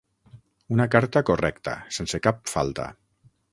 Una carta correcta, sense cap falta.